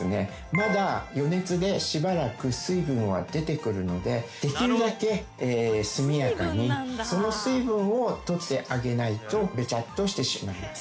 まだ余熱でしばらく水分は出てくるのでできるだけ速やかにその水分を取ってあげないとべちゃっとしてしまいます。